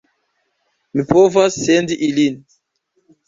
Mi povas sendi ilin.